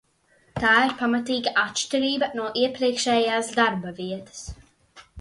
Tā ir pamatīga atšķirība no iepriekšējās darba vietas.